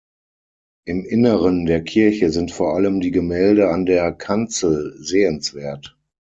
Im Inneren der Kirche sind vor allem die Gemälde an der Kanzel sehenswert.